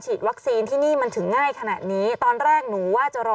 วัคซีนที่นี่มันถึงง่ายขนาดนี้ตอนแรกหนูว่าจะรอ